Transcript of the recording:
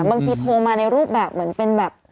โทรมาในรูปแบบเหมือนเป็นแบบ